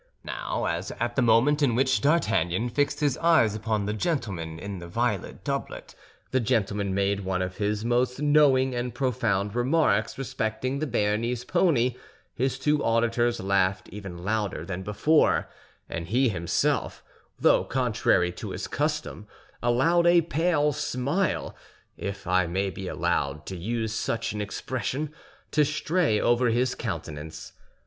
Now, as at the moment in which D'Artagnan fixed his eyes upon the gentleman in the violet doublet, the gentleman made one of his most knowing and profound remarks respecting the Béarnese pony, his two auditors laughed even louder than before, and he himself, though contrary to his custom, allowed a pale smile (if I may be allowed to use such an expression) to stray over his countenance.